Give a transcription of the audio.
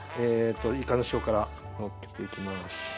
いかの塩辛のっけていきます。